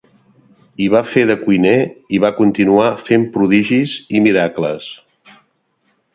Hi va fer de cuiner i va continuar fent prodigis i miracles.